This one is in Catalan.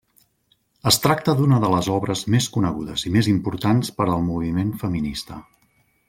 Es tracta d'una de les obres més conegudes i més importants per al moviment feminista.